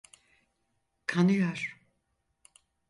Kanıyor.